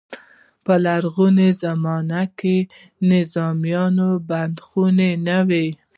په لرغونې زمانه کې منظمې بندیخانې نه وې.